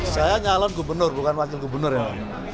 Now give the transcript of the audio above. saya nyalon gubernur bukan wakil gubernur ya